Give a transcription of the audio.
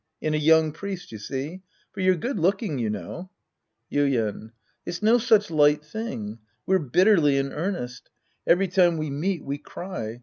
In a young priest, you see. For you're good looking, you know. Yuien. It's no such light thing. We're bitterly in earnest. Every time we meet, we ciy.